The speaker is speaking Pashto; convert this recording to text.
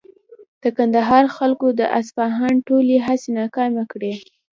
د کندهار خلکو د اصفهان ټولې هڅې ناکامې کړې.